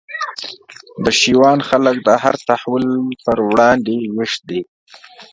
د شېوان خلک د هر تحول پر وړاندي ویښ دي